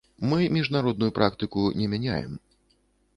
Мы міжнародную практыку не мяняем.